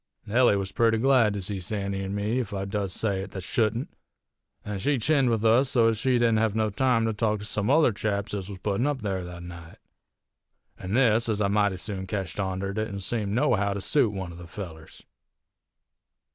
Nellie was purty glad to see Sandy an' me, ef I does say it that shouldn't; an' she chinned with us so ez she didn't hev no time to talk to some other chaps ez was puttin' up there that night. An' this, ez I mighty soon ketched onter, didn't seem nohow to suit one of the fellers.